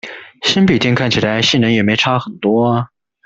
新筆電看起來性能也沒差很多